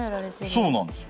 そうなんですよ。